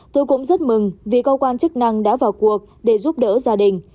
tôi cũng rất mừng vì cơ quan chức năng đã vào cuộc để giúp đỡ gia đình